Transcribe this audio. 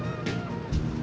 tidak ada yang bisa dihukum